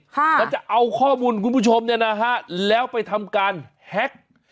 มันจะเอาข้อมูลคุณผู้ชมเนี่ยนะฮะแล้วไปทำการแฮ็ก